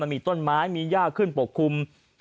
มีต้นไม้มีย่าขึ้นปกคลุม